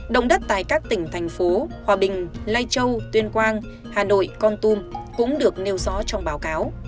động đất tại các tỉnh thành phố hòa bình lai châu tuyên quang hà nội con tum cũng được nêu rõ trong báo cáo